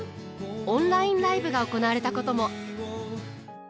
オンラインライブが行われたことも。